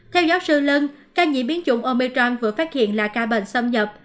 theo giáo sư lân ca nhiễm biến chủng omicron vừa phát hiện là ca bệnh xâm nhập